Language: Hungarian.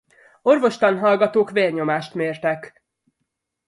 Orvostanhallgatók vérnyomást mértek.